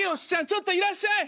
ちょっといらっしゃい！